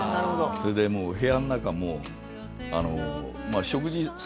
それで部屋の中も。